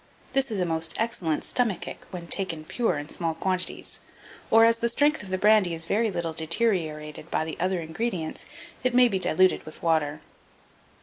This is a most excellent stomachic when taken pure in small quantities; or, as the strength of the brandy is very little deteriorated by the other ingredients, it may be diluted with water.